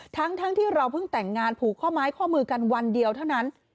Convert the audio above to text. ทั้งที่เราเพิ่งแต่งงานผูกข้อไม้ข้อมือกันวันเดียวเท่านั้น